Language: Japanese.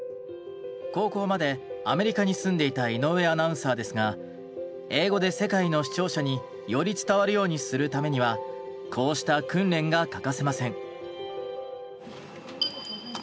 高校までアメリカに住んでいた井上アナウンサーですが英語で世界の視聴者により伝わるようにするためにはこうした訓練が欠かせません。